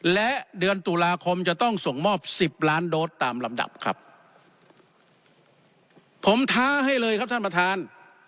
และเดือนตุลาคมจะต้องส่งมอบสิบล้านโดสตามลำดับครับผมท้าให้เลยครับท่านประธาน